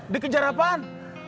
di kejar apaan